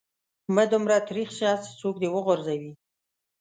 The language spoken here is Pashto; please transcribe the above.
مه دومره تريخ سه چې څوک دي و غورځوي.